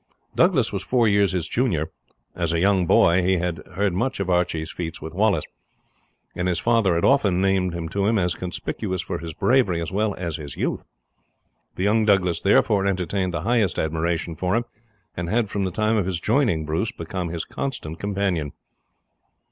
Douglas was four years his junior. As a young boy he had heard much of Archie's feats with Wallace, and his father had often named him to him as conspicuous for his bravery, as well as his youth. The young Douglas therefore entertained the highest admiration for him, and had from the time of his joining Bruce become his constant companion.